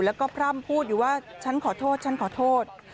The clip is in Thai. แล้วก็พร่ำพูดอยู่ว่าฉันขอโทษฉันขอโทษ